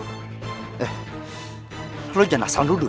merukir dengan indah